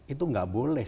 itu gak boleh